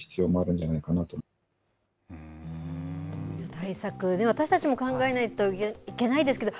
対策、私たちも考えないといけないですけど、